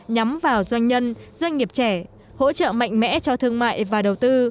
nhắm vào doanh nhân doanh nghiệp trẻ hỗ trợ mạnh mẽ cho thương mại và đầu tư